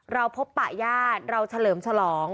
เราพบป่ายาทเราเฉลิมฉลอง